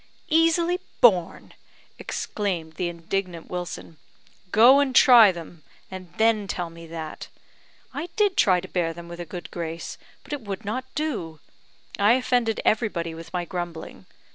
"Easily borne!" exclaimed the indignant Wilson. "Go and try them; and then tell me that. I did try to bear them with a good grace, but it would not do. I offended everybody with my grumbling.